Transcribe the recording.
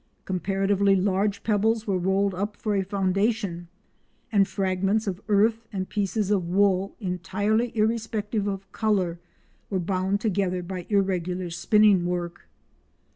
Comparatively huge pebbles were rolled up for a foundation, and fragments of earth and pieces of wool entirely irrespective of colour were bound together by irregular spinning work.